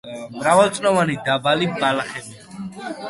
მრავალწლოვანი დაბალი ბალახებია.